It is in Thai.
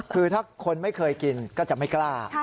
คือถ้าคนไม่เคยกินก็จะไม่กล้า